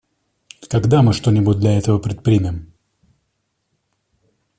Когда мы что-нибудь для этого предпримем?